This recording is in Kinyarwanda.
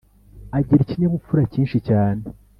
Agira ikinyabupfura cyinshi cyane.